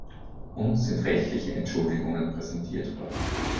Uns sind rechtliche Entschuldigungen präsentiert worden.